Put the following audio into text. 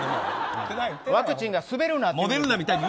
ワクチンがスベルナっていう。